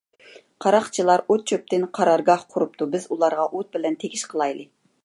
قاراقچىلار ئوت - چۆپتىن قارارگاھ قۇرۇپتۇ، بىز ئۇلارغا ئوت بىلەن تېگىش قىلايلى.